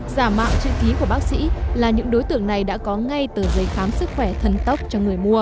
giả mạng chữ thí của bác sĩ là những đối tượng này đã có ngay tờ giấy khám sức khỏe thân tốc cho người mua